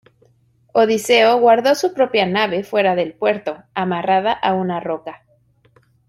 Odiseo guardó su propia nave fuera del puerto, amarrada a una roca.